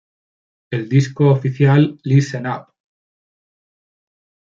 El disco oficial, "Listen Up!